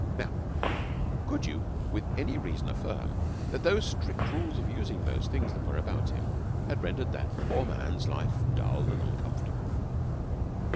Now, could you with any reason affirm, that those DEVOVt AND HOLY LIFE. 125 strict rules of using those things that were about him had rendered that poor man's hfe dull and uncomfort able?